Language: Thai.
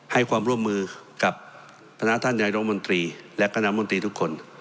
ให้ความร่วมมือกับคณะท่านนายรมนตรีและคณะมนตรีทุกคน